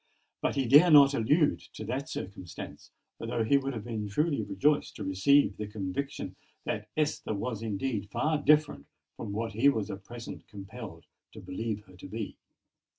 But he dared not allude to that circumstance; although he would have been truly rejoiced to receive the conviction that Esther was indeed far different from what he was at present compelled to believe her to be.